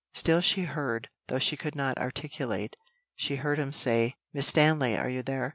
Still she heard, though she could not articulate. She heard him say, "Miss Stanley, are you there?